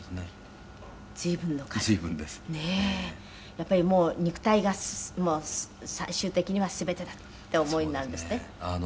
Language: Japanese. やっぱり、肉体が最終的には全てだって思いになるんですね？